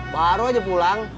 baru aja pulang